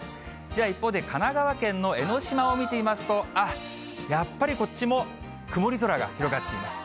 では一方で、神奈川県の江の島を見てみますと、あっ、やっぱりこっちも曇り空が広がっています。